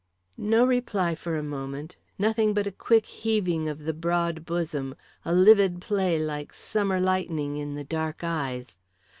No reply for a moment, nothing but a quick heaving of the broad bosom, a livid play like summer lightning in the dark eyes.